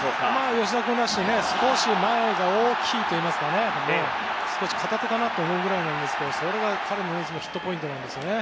吉田からして少し前が大きいといいますか少し片手かなと思うぐらいなんですがそれが彼のヒットポイントなんですよね。